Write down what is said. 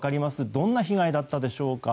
どんな被害だったでしょうか？